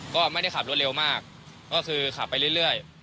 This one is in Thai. ก็ไม่ได้ขับรถเร็วมากก็คือขับไปเรื่อย